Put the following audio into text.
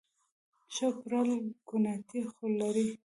ښه پرل کوناټي خو لري